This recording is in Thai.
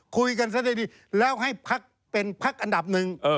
คุยกันซะดีแล้วให้พักเป็นพักอันดับหนึ่ง